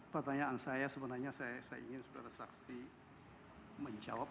pertanyaan saya sebenarnya saya ingin saudara saksi menjawab